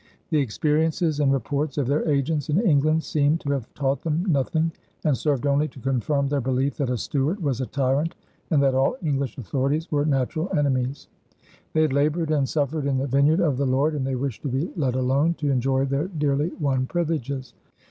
The experiences and reports of their agents in England seem to have taught them nothing and served only to confirm their belief that a Stuart was a tyrant and that all English authorities were natural enemies. They had labored and suffered in the vineyard of the Lord and they wished to be let alone to enjoy their dearly won privileges.